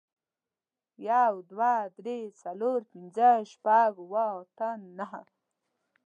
يو، دوه، درې، څلور، پينځه، شپږ، اووه، اته، نهه